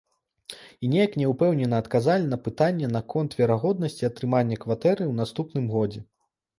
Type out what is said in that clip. І неяк няўпэўнена адказалі на пытанне наконт верагоднасці атрымання кватэры ў наступным годзе.